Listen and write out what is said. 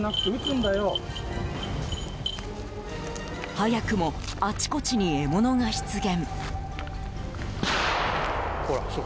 早くもあちこちに獲物が出現！